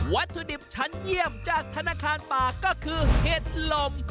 วัตถุดิบชั้นเยี่ยมจากธนาคารป่าก็คือเห็ดลม